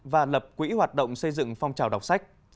và lập quỹ hoạt động xây dựng phong trào đọc sách